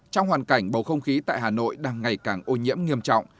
trong hoàn cảnh bầu không khí tại hà nội đang ngày càng ô nhiễm nghiêm trọng